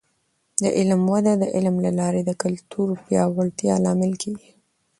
د علم وده د علم له لارې د کلتور پیاوړتیا لامل کیږي.